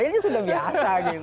ini sudah biasa gitu